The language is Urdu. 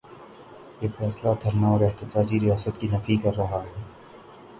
یہ فیصلہ دھرنا اور احتجاجی سیاست کی نفی کر رہا ہے۔